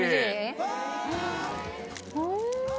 うん！